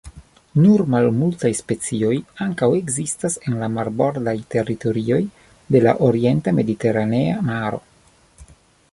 Nur malmultaj specioj ankaŭ ekzistas en la marbordaj teritorioj de la orienta Mediteranea Maro.